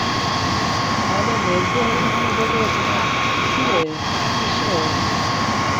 আমাদের মেজোবউ– হরিমোহিনী বলিয়া উঠিলেন, কিসে আর কিসে!